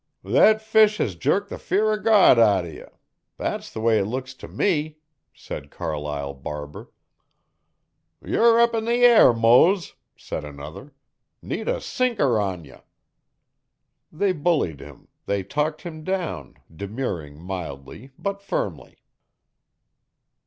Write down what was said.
'Thet fish has jerked the fear o' God out o' ye thet's the way it looks t' me,' said Carlyle Barber. 'Yer up 'n the air, Mose,' said another. 'Need a sinker on ye.' They bullied him they talked him down, demurring mildly, but firmly.